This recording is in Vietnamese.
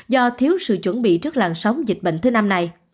do thiếu sự chuẩn bị trước làn sóng dịch bệnh thứ năm này